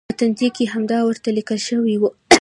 په تندي کې همدا ورته لیکل شوي و.